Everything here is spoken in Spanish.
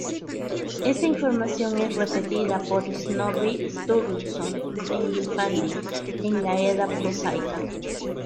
Esta información es repetida por Snorri Sturluson en "Gylfaginning", en la "Edda prosaica".